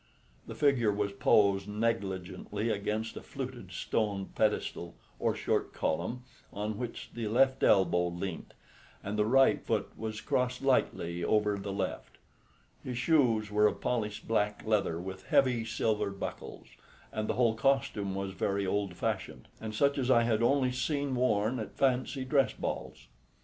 The figure was posed negligently against a fluted stone pedestal or short column on which the left elbow leant, and the right foot was crossed lightly over the left. His shoes were of polished black leather with heavy silver buckles, and the whole costume was very old fashioned, and such as I had only seen worn at fancy dress balls.